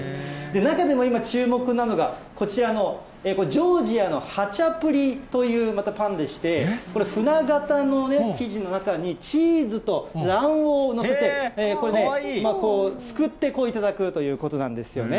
中でも今注目なのが、こちらのジョージアのハチャプリという、またパンでして、これ、舟形の生地の中に、チーズと卵黄を載せて、これね、すくって頂くということなんですよね。